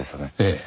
ええ。